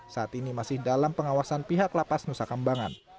saat ini masih dalam pengawasan pihak lapas nusa kambangan